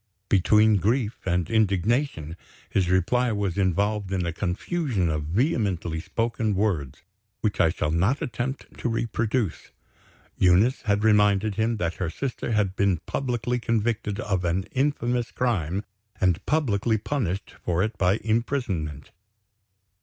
Between grief and indignation his reply was involved in a confusion of vehemently spoken words, which I shall not attempt to reproduce. Eunice had reminded him that her sister had been publicly convicted of an infamous crime, and publicly punished for it by imprisonment.